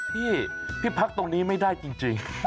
พี่พี่พักตรงนี้ไม่ได้จริง